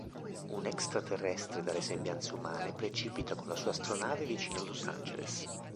Un extraterrestre dalle sembianze umane precipita con la sua astronave vicino Los Angeles.